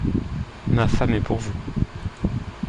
Ma femme est pour vous…